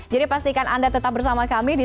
jadi pastikan anda tetap bersama kami di